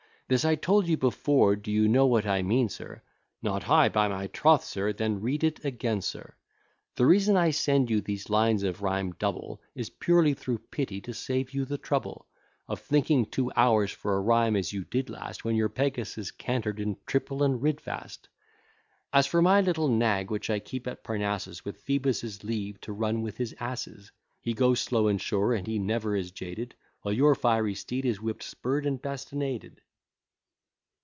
This I told you before; do you know what I mean, sir? "Not I, by my troth, sir." Then read it again, sir. The reason I send you these lines of rhymes double, Is purely through pity, to save you the trouble Of thinking two hours for a rhyme as you did last, When your Pegasus canter'd in triple, and rid fast. As for my little nag, which I keep at Parnassus, With Phoebus's leave, to run with his asses, He goes slow and sure, and he never is jaded, While your fiery steed is whipp'd, spurr'd, bastinaded.